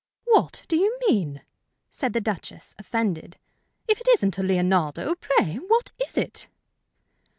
"What do you mean?" said the Duchess, offended. "If it isn't a Leonardo, pray what is it?"